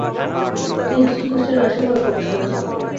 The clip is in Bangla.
তিনি যীশুখ্রিস্টের রাশিফলও প্রকাশ করেছিলেন।